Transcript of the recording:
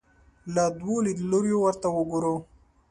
له دوو لیدلوریو ورته وګورو